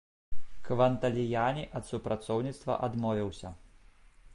Кванталіяні ад супрацоўніцтва адмовіўся.